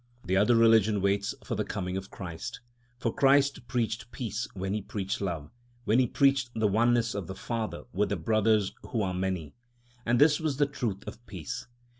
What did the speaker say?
The other religion waits for the coming of Christ. For Christ preached peace when he preached love, when he preached the oneness of the Father with the brothers who are many. And this was the truth of peace.